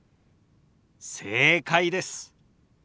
正解です。